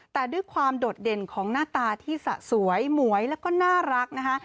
แต่ด้วยความโดดเด่นของหน้าตาที่สะสวยหมวยแล้วก็น่ารักนะคะ